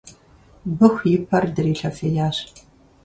Быху и пэр дрилъэфеящ